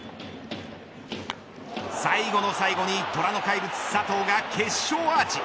最後の最後に虎の怪物、佐藤が決勝アーチ。